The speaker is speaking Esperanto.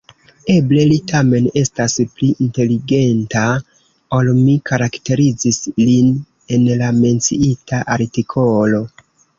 Eble li tamen estas pli inteligenta, ol mi karakterizis lin en la menciita artikolo...